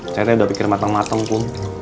saya bisa selesai kalau mau